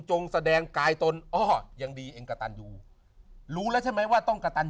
แสดงกายตนอ้อยังดีเองกระตันอยู่รู้แล้วใช่ไหมว่าต้องกระตัน